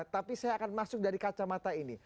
tapi saya akan masuk dari kacamata ini